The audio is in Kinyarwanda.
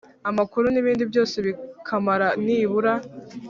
Amakuru n ibindi byose bikamara nibura